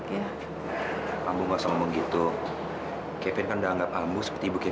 ya mbak kamu ingat ya pesan pesan abah mas mbak